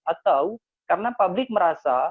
atau karena publik merasa